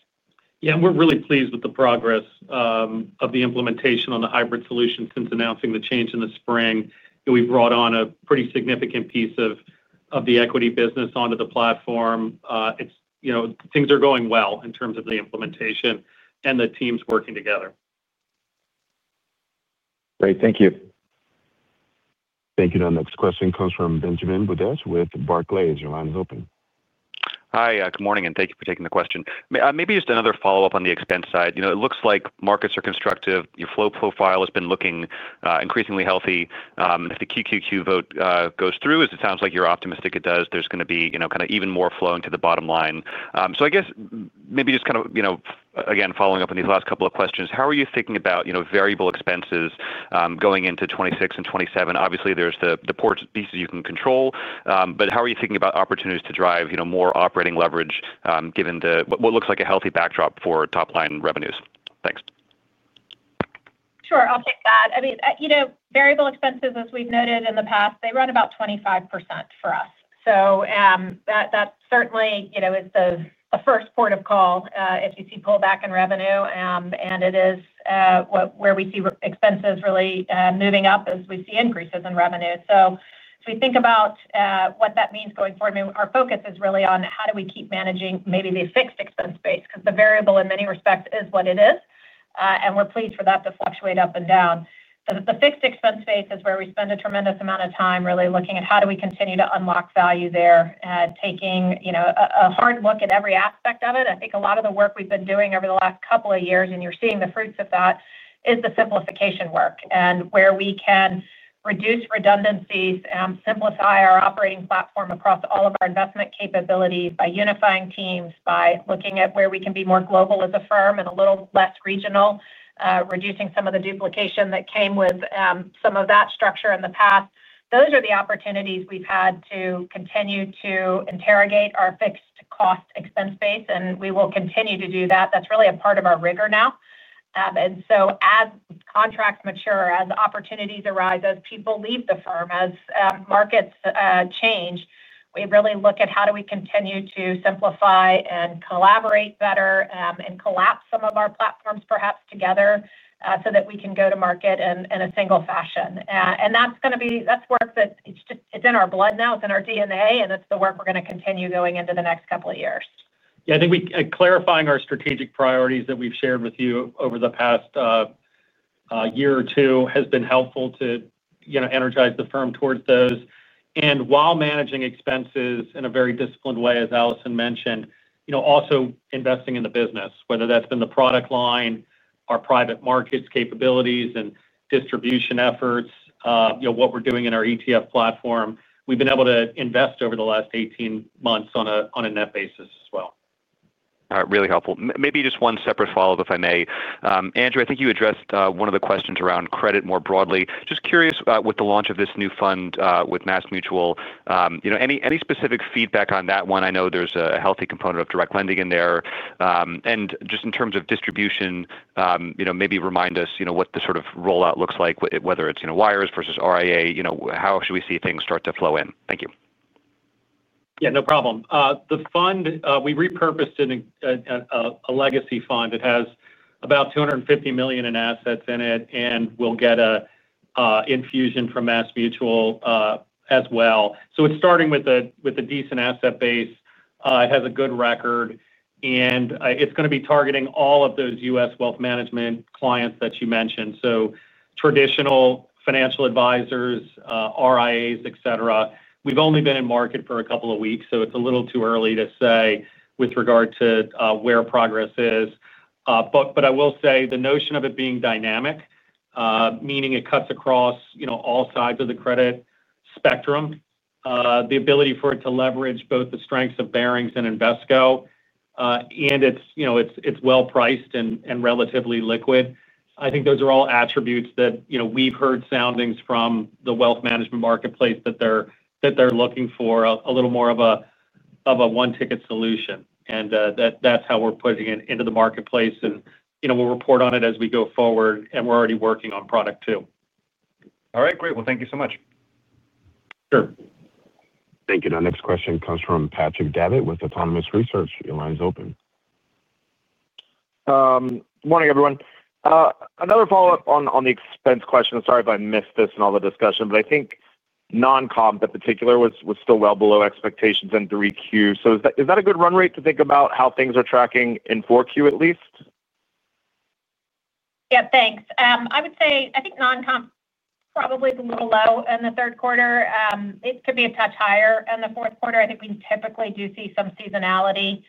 Yeah, we're really pleased with the progress of the implementation on the hybrid solution since announcing the change in the spring. We brought on a pretty significant piece of the equity business onto the platform. It's, you know, things are going well in terms of the implementation and the teams working together. Great. Thank you. Thank you. Our next question comes from Benjamin Budish with Barclays. Your line is open. Hi. Good morning, and thank you for taking the question. Maybe just another follow-up on the expense side. It looks like markets are constructive. Your flow profile has been looking increasingly healthy. If the QQQ vote goes through, as it sounds like you're optimistic it does, there's going to be even more flowing to the bottom line. I guess maybe just following up on these last couple of questions, how are you thinking about variable expenses going into 2026 and 2027? Obviously, there are the core pieces you can control, but how are you thinking about opportunities to drive more operating leverage given what looks like a healthy backdrop for top-line revenues? Thanks. Sure. I'll take that. Variable expenses, as we've noted in the past, run about 25% for us. That certainly is the first port of call if you see pullback in revenue, and it is where we see expenses really moving up as we see increases in revenue. As we think about what that means going forward, our focus is really on how do we keep managing maybe the fixed expense base because the variable in many respects is what it is, and we're pleased for that to fluctuate up and down. The fixed expense base is where we spend a tremendous amount of time really looking at how do we continue to unlock value there and taking a hard look at every aspect of it. I think a lot of the work we've been doing over the last couple of years, and you're seeing the fruits of that, is the simplification work and where we can reduce redundancies, simplify our operating platform across all of our investment capabilities by unifying teams, by looking at where we can be more global as a firm and a little less regional, reducing some of the duplication that came with some of that structure in the past. Those are the opportunities we've had to continue to interrogate our fixed cost expense base, and we will continue to do that. That's really a part of our rigor now. As contracts mature, as opportunities arise, as people leave the firm, as markets change, we really look at how do we continue to simplify and collaborate better and collapse some of our platforms perhaps together so that we can go to market in a single fashion. That's work that is just in our blood now. It's in our DNA, and it's the work we're going to continue going into the next couple of years. I think clarifying our strategic priorities that we've shared with you over the past year or two has been helpful to energize the firm towards those. While managing expenses in a very disciplined way, as Allison mentioned, also investing in the business, whether that's been the product line, our private markets capabilities, and distribution efforts, what we're doing in our ETF platform, we've been able to invest over the last 18 months on a net basis as well. All right. Really helpful. Maybe just one separate follow-up, if I may. Andrew, I think you addressed one of the questions around credit more broadly. Just curious, with the launch of this new fund with MassMutual, any specific feedback on that one? I know there's a healthy component of direct lending in there. In terms of distribution, maybe remind us what the sort of rollout looks like, whether it's wires versus RIA, how should we see things start to flow in? Thank you. Yeah. No problem. The fund, we repurposed it in a legacy fund. It has about $250 million in assets in it and will get an infusion from MassMutual as well. It's starting with a decent asset base. It has a good record, and it's going to be targeting all of those U.S. wealth management clients that you mentioned, traditional financial advisors, RIAs, etc. We've only been in market for a couple of weeks, so it's a little too early to say with regard to where progress is. I will say the notion of it being dynamic, meaning it cuts across all sides of the credit spectrum, the ability for it to leverage both the strengths of Barings and Invesco, and it's well-priced and relatively liquid. I think those are all attributes that we've heard soundings from the wealth management marketplace that they're looking for a little more of a one-ticket solution. That's how we're putting it into the marketplace. We'll report on it as we go forward, and we're already working on product two. All right. Great. Thank you so much. Sure. Thank you. Our next question comes from Patrick Davitt with Autonomous Research. Your line is open. Morning, everyone. Another follow-up on the expense question. Sorry if I missed this in all the discussion, but I think non-comp, in particular, was still well below expectations in Q3. Is that a good run rate to think about how things are tracking in Q4 at least? Yeah. Thanks. I would say I think non-comp probably is a little low in the third quarter. It could be a touch higher in the fourth quarter. I think we typically do see some seasonality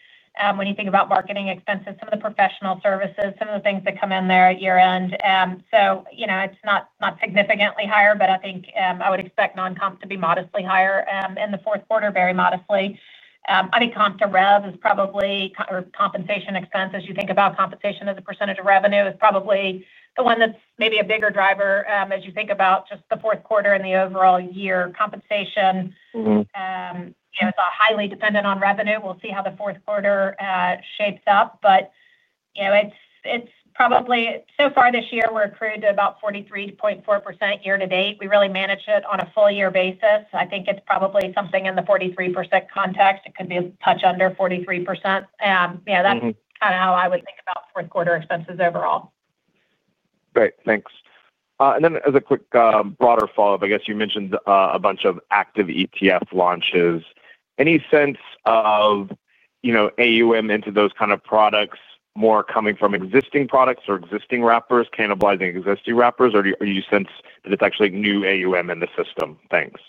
when you think about marketing expenses, some of the professional services, some of the things that come in there at year-end. It's not significantly higher, but I think I would expect non-comp to be modestly higher in the fourth quarter, very modestly. I think comp to rev is probably, or compensation expense, as you think about compensation as a percentage of revenue, is probably the one that's maybe a bigger driver as you think about just the fourth quarter and the overall year. Compensation is highly dependent on revenue. We'll see how the fourth quarter shapes up. It's probably so far this year, we're accrued to about 43.4% year to date. We really manage it on a full-year basis. I think it's probably something in the 43% context. It could be a touch under 43%. That's kind of how I would think about fourth quarter expenses overall. Great. Thanks. As a quick broader follow-up, I guess you mentioned a bunch of active ETF launches. Any sense of AUM into those kind of products, more coming from existing products or existing wrappers, cannibalizing existing wrappers, or do you sense that it's actually new AUM in the system? Thanks.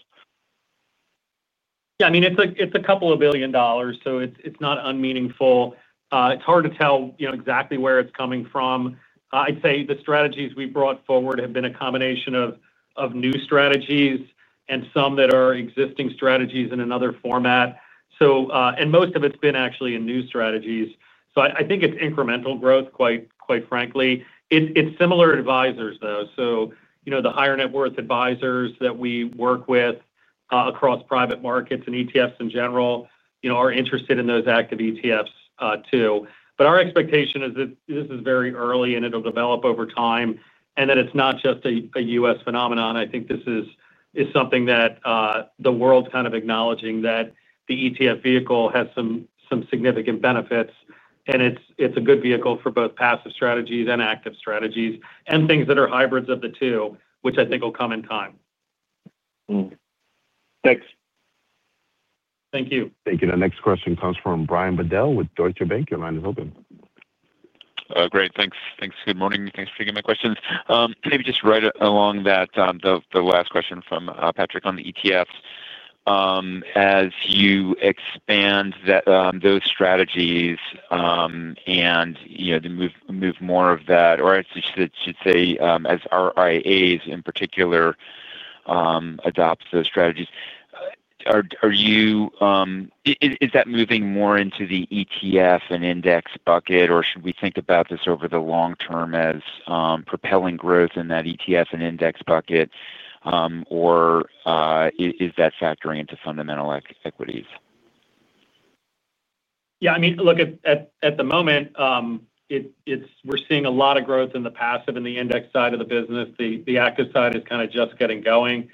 Yeah. I mean, it's a couple of billion dollars, so it's not unmeaningful. It's hard to tell exactly where it's coming from. I'd say the strategies we've brought forward have been a combination of new strategies and some that are existing strategies in another format. Most of it's been actually in new strategies. I think it's incremental growth, quite frankly. It's similar to advisors, though. The higher net worth advisors that we work with across private markets and ETFs in general are interested in those active ETFs too. Our expectation is that this is very early and it'll develop over time and that it's not just a U.S. phenomenon. I think this is something that the world's kind of acknowledging, that the ETF vehicle has some significant benefits, and it's a good vehicle for both passive strategies and active strategies and things that are hybrids of the two, which I think will come in time. Thanks. Thank you. Thank you. Our next question comes from Brian Bedell with Deutsche Bank. Your line is open. Great. Thanks. Good morning. Thanks for taking my questions. Maybe just right along that, the last question from Patrick on the ETFs. As you expand those strategies and, you know, move more of that, or I should say as RIAs in particular adopt those strategies, is that moving more into the ETF and index bucket, or should we think about this over the long term as propelling growth in that ETF and index bucket, or is that factoring into fundamental equities? Yeah. I mean, look, at the moment, we're seeing a lot of growth in the passive and the index side of the business. The active side is kind of just getting going.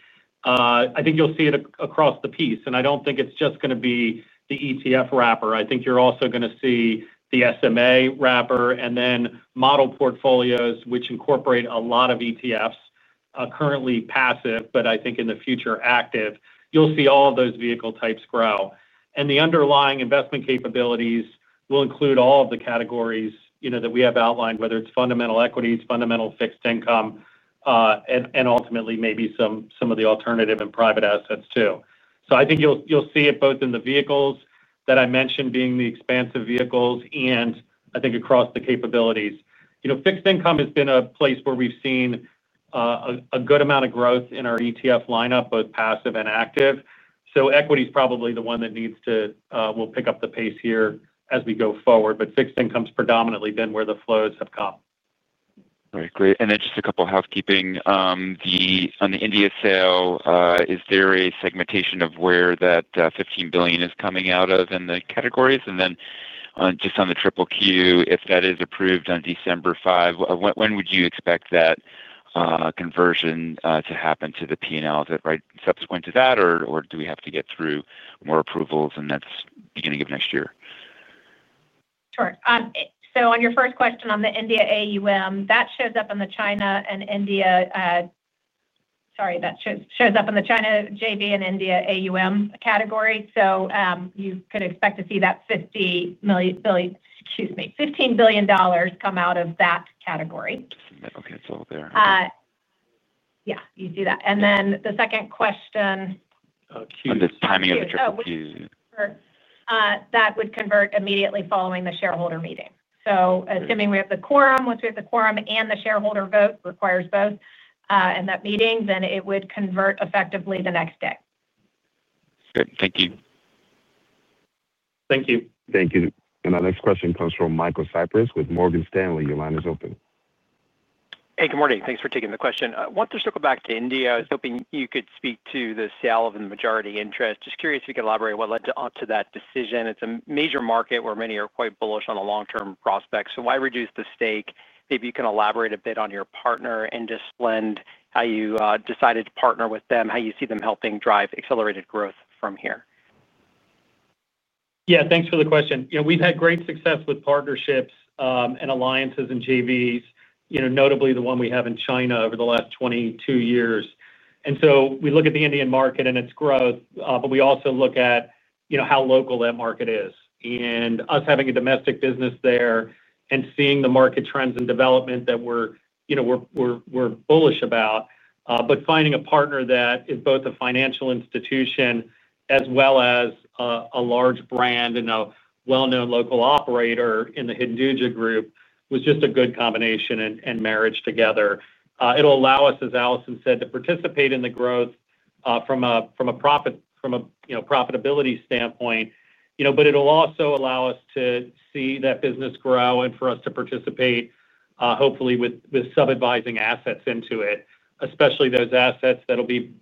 I think you'll see it across the piece, and I don't think it's just going to be the ETF wrapper. I think you're also going to see the SMA wrapper and then model portfolios, which incorporate a lot of ETFs, currently passive, but I think in the future active. You'll see all of those vehicle types grow, and the underlying investment capabilities will include all of the categories, you know, that we have outlined, whether it's fundamental equities, fundamental fixed income, and ultimately maybe some of the alternative and private assets too. I think you'll see it both in the vehicles that I mentioned being the expansive vehicles, and I think across the capabilities. You know, fixed income has been a place where we've seen a good amount of growth in our ETF lineup, both passive and active. Equity is probably the one that needs to, we'll pick up the pace here as we go forward. Fixed income has predominantly been where the flows have come. All right. Great. Just a couple of housekeeping. On the India sale, is there a segmentation of where that $15 billion is coming out of in the categories? Just on the QQQ ETF, if that is approved on December 5, when would you expect that conversion to happen to the P&L? Is it right subsequent to that, or do we have to get through more approvals and that's the beginning of next year? Sure. On your first question on the India AUM, that shows up in the China JV and India AUM category. You could expect to see that $15 billion come out of that category. Okay, it's all there. Yeah, you see that. Then the second question. On the timing of the QQQ ETF. Sure. That would convert immediately following the shareholder meeting. Assuming we have the quorum, once we have the quorum and the shareholder vote, which requires both, at that meeting, it would convert effectively the next day. Great. Thank you. Thank you. Thank you. Our next question comes from Michael Cyprys with Morgan Stanley. Your line is open. Good morning. Thanks for taking the question. I want to circle back to India. I was hoping you could speak to the sale of the majority interest. Just curious if you could elaborate what led to that decision. It's a major market where many are quite bullish on the long-term prospects. Why reduce the stake? Maybe you can elaborate a bit on your partner and just lend how you decided to partner with them, how you see them helping drive accelerated growth from here. Yeah. Thanks for the question. We've had great success with partnerships and alliances and JVs, notably the one we have in China over the last 22 years. We look at the Indian market and its growth, but we also look at how local that market is. Us having a domestic business there and seeing the market trends and development that we're bullish about, finding a partner that is both a financial institution as well as a large brand and a well-known local operator in the Hinduja Group was just a good combination and marriage together. It'll allow us, as Allison said, to participate in the growth from a profitability standpoint, but it'll also allow us to see that business grow and for us to participate, hopefully, with sub-advising assets into it, especially those assets that'll be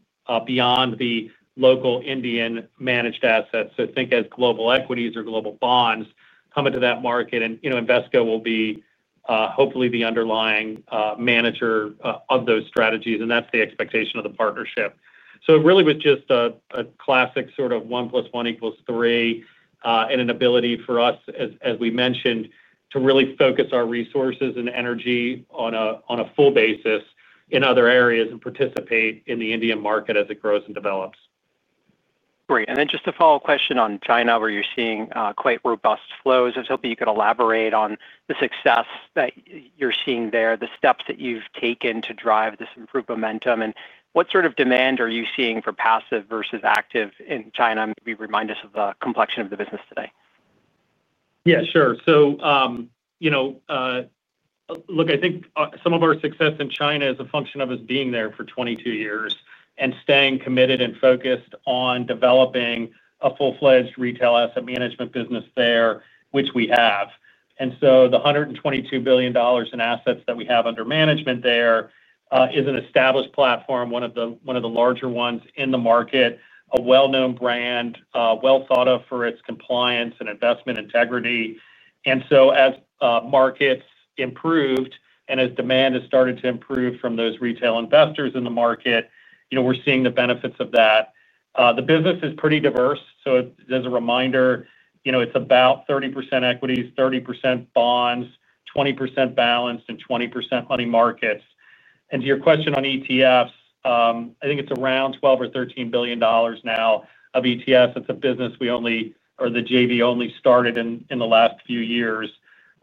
beyond the local Indian managed assets. Think as global equities or global bonds come into that market. Invesco will be hopefully the underlying manager of those strategies, and that's the expectation of the partnership. It really was just a classic sort of one plus one equals three and an ability for us, as we mentioned, to really focus our resources and energy on a full basis in other areas and participate in the Indian market as it grows and develops. Great. Just a follow-up question on China where you're seeing quite robust flows. I was hoping you could elaborate on the success that you're seeing there, the steps that you've taken to drive this improved momentum, and what sort of demand you're seeing for passive versus active in China. Maybe remind us of the complexion of the business today. Yeah. Sure. I think some of our success in China is a function of us being there for 22 years and staying committed and focused on developing a full-fledged retail asset management business there, which we have. The $122 billion in assets that we have under management there is an established platform, one of the larger ones in the market, a well-known brand, well thought of for its compliance and investment integrity. As markets improved and as demand has started to improve from those retail investors in the market, we're seeing the benefits of that. The business is pretty diverse. As a reminder, it's about 30% equities, 30% bonds, 20% balanced, and 20% money markets. To your question on ETFs, I think it's around $12 billion or $13 billion now of ETFs. It's a business we only, or the JV only started in the last few years.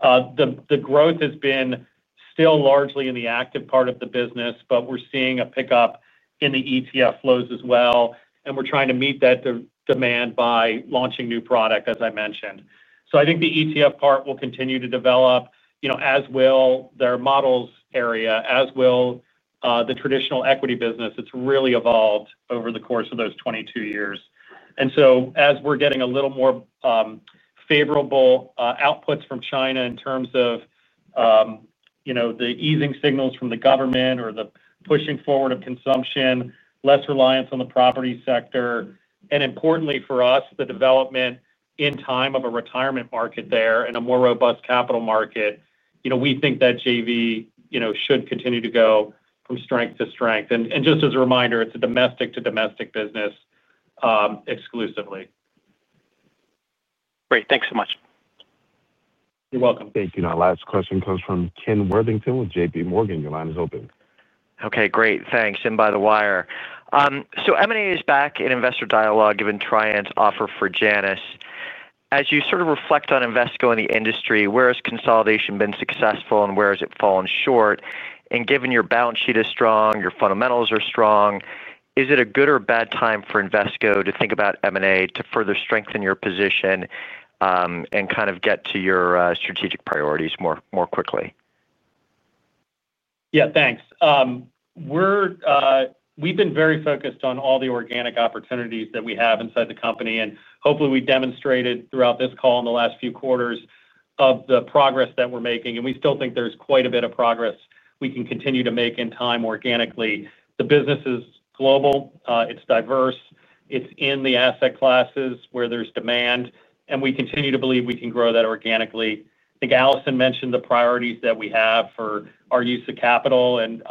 The growth has been still largely in the active part of the business, but we're seeing a pickup in the ETF flows as well, and we're trying to meet that demand by launching new product, as I mentioned. I think the ETF part will continue to develop, as will their models area, as will the traditional equity business. It's really evolved over the course of those 22 years. As we're getting a little more favorable outputs from China in terms of the easing signals from the government or the pushing forward of consumption, less reliance on the property sector, and importantly for us, the development in time of a retirement market there and a more robust capital market, we think that JV should continue to go from strength to strength. Just as a reminder, it's a domestic to domestic business exclusively. Great, thanks so much. You're welcome. Thank you. Our last question comes from Ken Worthington with JPMorgan. Your line is open. Okay. Great. Thanks. By the way, M&A is back in investor dialogue given Tran's offer for Janus. As you sort of reflect on Invesco and the industry, where has consolidation been successful and where has it fallen short? Given your balance sheet is strong, your fundamentals are strong, is it a good or bad time for Invesco to think about M&A to further strengthen your position and kind of get to your strategic priorities more quickly? Yeah. Thanks. We've been very focused on all the organic opportunities that we have inside the company, and hopefully, we demonstrated throughout this call in the last few quarters the progress that we're making. We still think there's quite a bit of progress we can continue to make in time organically. The business is global. It's diverse. It's in the asset classes where there's demand, and we continue to believe we can grow that organically. I think Allison mentioned the priorities that we have for our use of capital and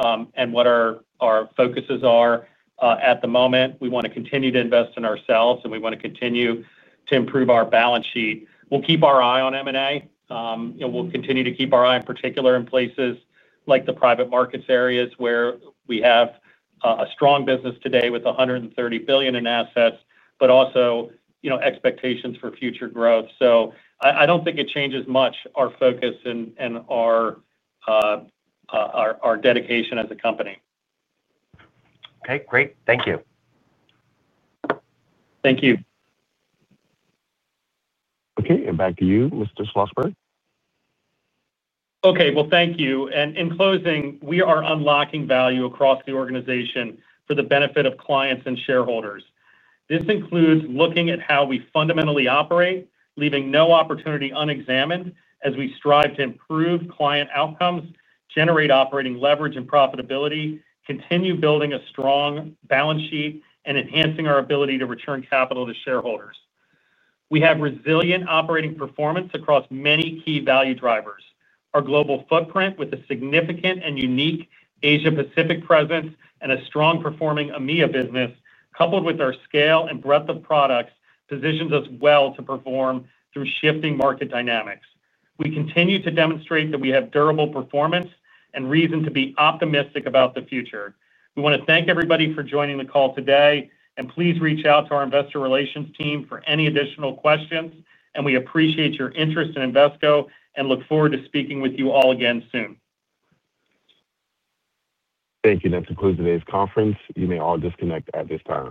what our focuses are at the moment. We want to continue to invest in ourselves, and we want to continue to improve our balance sheet. We'll keep our eye on M&A. We'll continue to keep our eye in particular in places like the private markets areas where we have a strong business today with $130 billion in assets, but also expectations for future growth. I don't think it changes much our focus and our dedication as a company. Okay. Great. Thank you. Thank you. Okay. Back to you, Mr. Schlossberg. Thank you. In closing, we are unlocking value across the organization for the benefit of clients and shareholders. This includes looking at how we fundamentally operate, leaving no opportunity unexamined as we strive to improve client outcomes, generate operating leverage and profitability, continue building a strong balance sheet, and enhancing our ability to return capital to shareholders. We have resilient operating performance across many key value drivers. Our global footprint with a significant and unique Asia-Pacific presence and a strong-performing EMEA business, coupled with our scale and breadth of products, positions us well to perform through shifting market dynamics. We continue to demonstrate that we have durable performance and reason to be optimistic about the future. We want to thank everybody for joining the call today, and please reach out to our investor relations team for any additional questions. We appreciate your interest in Invesco and look forward to speaking with you all again soon. Thank you. That concludes today's conference. You may all disconnect at this time.